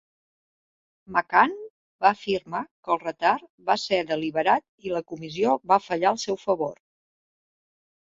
McCann va afirmar que el retard va ser deliberat i la comissió va fallar al seu favor.